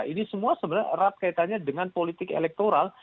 ini semua sebenarnya erat kaitannya dengan politik elektoral